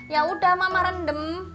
yaudah mama rendem